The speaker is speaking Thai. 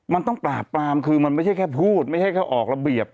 มันต้องปราบปรามคือมันไม่ใช่แค่พูดไม่ใช่แค่ออกระเบียบ